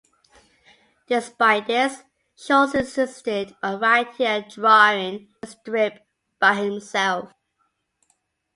Despite this, Schulz insisted on writing and drawing the strip by himself.